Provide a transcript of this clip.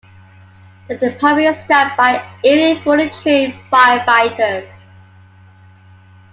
The department is staffed by eighty fully trained firefighters.